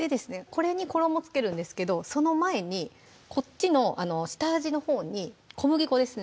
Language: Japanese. これに衣付けるんですけどその前にこっちの下味のほうに小麦粉ですね